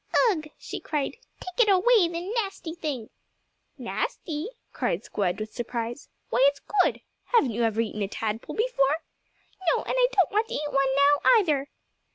"Ugh!" she cried. "Take it way. The nasty thing!" "Nasty!" cried Squdge with surprise. "Why it's good. Haven't you ever eaten a tadpole before?" "No, and I don't want to eat one now, either."